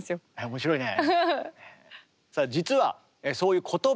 面白いね。